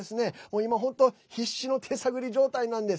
今、本当必死の手探り状態なんです。